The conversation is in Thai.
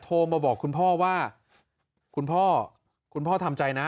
โทรมาบอกคุณพ่อว่าคุณพ่อคุณพ่อทำใจนะ